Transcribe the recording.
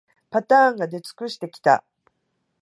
パターンが出尽くしてきた